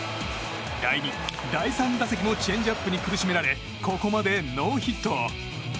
第２、第３打席もチェンジアップに苦しめられここまでノーヒット。